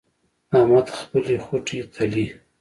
احمد خپلې خوټې تلي.